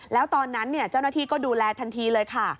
แล้วตอนนั้นเจ้าหน้าที่ก็ดูแลทันทีเลยค่ะ